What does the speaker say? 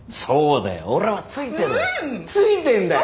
そうだよ俺はついてる！